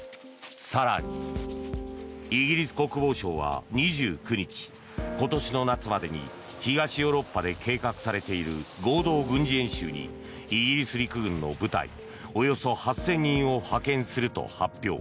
更にイギリス国防省は２９日今年の夏までに東ヨーロッパで計画されている合同軍事演習にイギリス陸軍の部隊およそ８０００人を派遣すると発表。